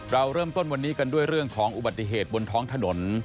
เราเริ่มต้นวันนี้กันด้วยเรื่องของอุบัติเหตุบนท้องถนน